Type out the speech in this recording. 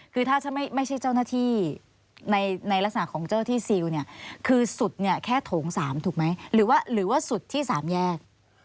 คือถ้าไม่ใช่เจ้าหน้าที่ในลักษณะของเจ้าที่ซิลเนี่ยคือสุดเนี่ยแค่โถง๓ถูกไหมหรือว่าสุดที่๓แยก